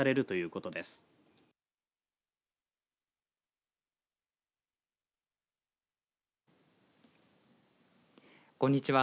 こんにちは。